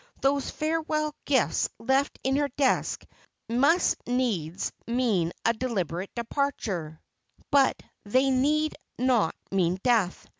Those farewell gifts left in her desk must needs mean a deliberate departure : but they need not mean death.